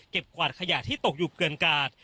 กวาดขยะที่ตกอยู่เกินกาด